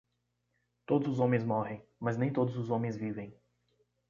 Todos os homens morrem, mas nem todos os homens vivem